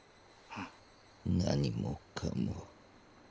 何もかも。